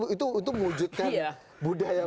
itu untuk mewujudkan budaya